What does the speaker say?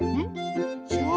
そう。